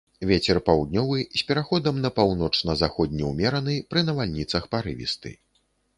Вецер паўднёвы з пераходам на паўночна-заходні ўмераны, пры навальніцах парывісты.